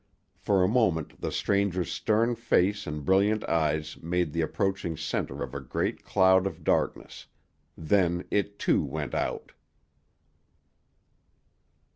For a moment the stranger's stern face and brilliant eyes made the approaching center of a great cloud of darkness, then it too went out.